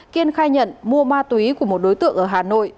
kiên khai nhận mua ma túy của một đối tượng ở hà nội